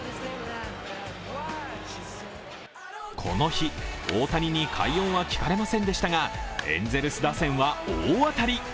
この日、大谷に快音は聞かれませんでしたがエンゼルス打線は大当たり。